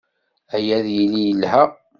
Aya ad yili yelha.